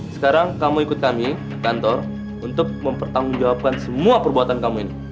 sekarang kamu ikut kami kantor untuk mempertanggungjawabkan semua perbuatan kamu ini